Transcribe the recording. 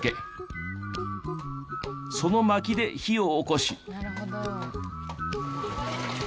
そのまきで火をおこし。